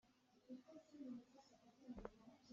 Hi tawhrolh hi i hruk hnik.